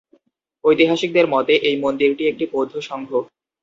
ঐতিহাসিকদের মতে এই মন্দিরটি একটি বৌদ্ধসংঘ।